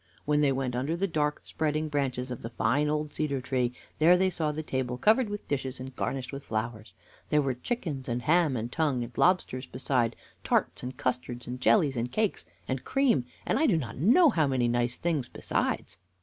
When they went under the dark spreading branches of the fine old cedar tree, there they saw the table covered with dishes and garnished with flowers. There were chickens, and ham, and tongue, and lobsters, besides tarts, and custards, and jellies, and cakes, and cream, and I do not know how many nice things besides.